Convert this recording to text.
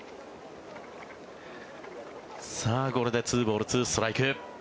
これで２ボール２ストライク。